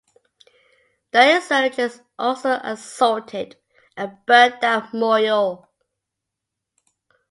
The insurgents also assaulted and burned down Moyo.